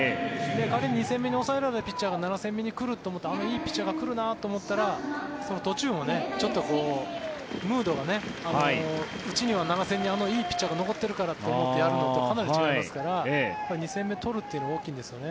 仮に２戦目、抑えられたピッチャーが７戦目に来ると思っていいピッチャーが来るなと思ったら途中もちょっとムードがうちには７戦目にあのいいピッチャーが残っているからと思ってやるのとかなり違いますから２戦目取るのは大きいんですよね。